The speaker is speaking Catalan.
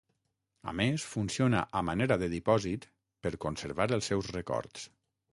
A més, funciona a manera de dipòsit per conservar els seus records.